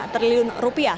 lima delapan triliun rupiah